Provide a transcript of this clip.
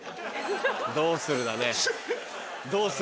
どうするだね。